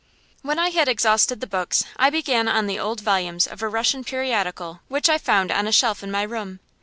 When I had exhausted the books, I began on the old volumes of a Russian periodical which I found on a shelf in my room.